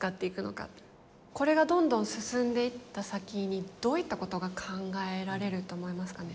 これがどんどん進んでいった先にどういったことが考えられると思いますかね。